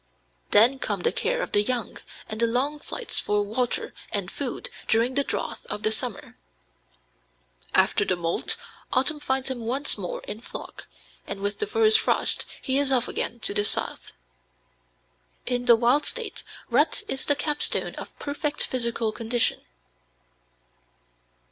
Then come the care of the young and the long flights for water and food during the drought of the summer. After the molt, autumn finds him once more in flock, and with the first frosts he is off again to the South. In the wild state, rut is the capstone of perfect physical condition."